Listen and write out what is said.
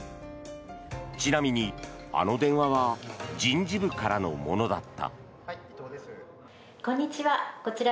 ちなみに、あの電話は人事部からのものだった。